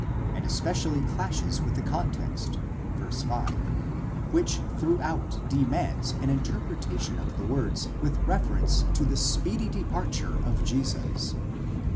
° and especially clashes with the context (v. 5), which throughout demands an interpretation of the words with reference to the speedy departure of Jesus."